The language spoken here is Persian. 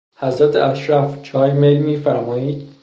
حضرت اشرف، چای میل میفرمایید؟